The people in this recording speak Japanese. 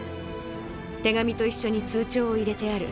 手紙と一緒に通帳を入れてある。